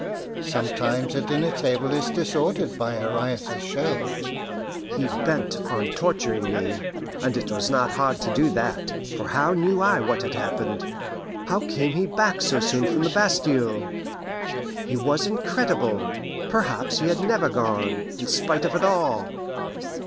Sometimes a dinner table is disordered by a riotous shell." He bent on torturing me. And it was not hard to do that, for how knew I what had happened? How came he back so soon from the Bastile? It was incredible. Perhaps he had never gone, in spite of all.